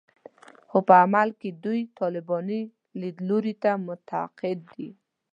خو په عمل کې دوی طالباني لیدلوري ته معتقد دي